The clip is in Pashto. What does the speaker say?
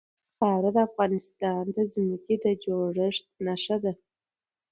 خاوره د افغانستان د ځمکې د جوړښت نښه ده.